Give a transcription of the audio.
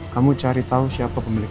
kamu cari tahu siapa pemilik